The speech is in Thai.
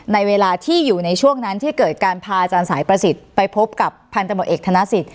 ในเวลาที่อยู่ในช่วงนั้นที่เกิดการพาอาจารย์สายประสิทธิ์ไปพบกับพันธบทเอกธนสิทธ